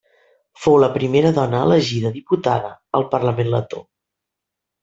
Fou la primera dona elegida diputada al parlament letó.